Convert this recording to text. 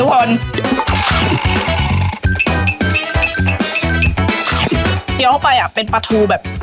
เคี้ยวเข้าไปเป็นปลาทูแบบ